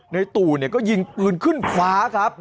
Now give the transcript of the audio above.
ตู่ก็ยิงปืนขึ้นฟ้าครับ